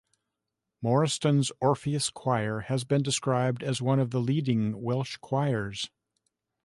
Morriston's Orpheus Choir has been described as one of the leading Welsh choirs.